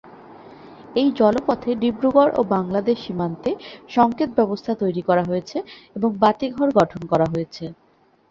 এই জলপথে ডিব্রুগড় ও বাংলাদেশ সীমান্তে সংকেত ব্যবস্থা তৈরি করা হয়েছে এবং বাতিঘর গঠন করা হয়েছে।